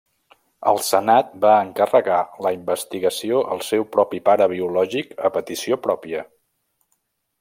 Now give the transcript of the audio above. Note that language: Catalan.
El senat va encarregar la investigació al seu propi pare biològic a petició pròpia.